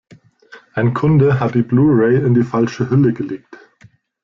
Ein Kunde hat die Blu-Ray in die falsche Hülle gelegt.